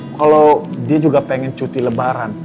kalau dia juga pengen cuti lebaran